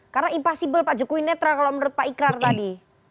karena impossible pak jokowi netral kalau menurut pak ikrar tadi